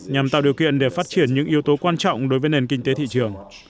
nhằm tạo điều kiện để phát triển những yếu tố quan trọng đối với nền kinh tế thị trường